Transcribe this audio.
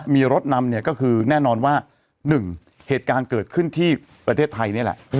มีรถนำเนี่ยก็คือแน่นอนว่า๑เหตุการณ์เกิดขึ้นที่ประเทศไทยนี่แหละ